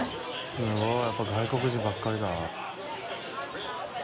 すごいやっぱ外国人ばっかりだ。